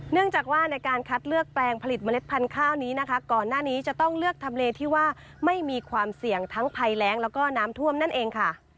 เนื่องจากว่าในการคัดเลือกแปลงผลิตเมล็ดพันธุ์ข้าวนี้นะคะก่อนหน้านี้จะต้องเลือกทำเลที่ว่าไม่มีความเสี่ยงทั้งภัยแรงแล้วก็น้ำท่วมนั่นเองค่ะ